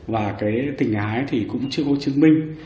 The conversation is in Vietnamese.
và tình ái thì cũng chưa có chứng minh